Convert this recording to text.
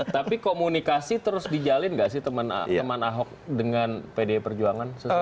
tapi komunikasi terus dijalin gak sih teman ahok dengan pdi perjuangan